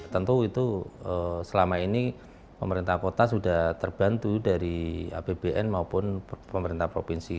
tentu itu selama ini pemerintah kota sudah terbantu dari apbn maupun pemerintah provinsi